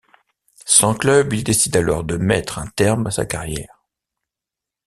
Sans club, il décide alors de mettre un terme à sa carrière.